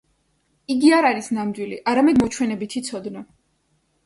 იგი არის არა ნამდვილი, არამედ მოჩვენებითი ცოდნა.